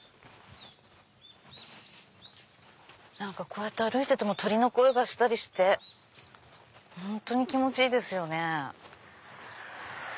こうやって歩いてても鳥の声がしたりして本当に気持ちいいですよね。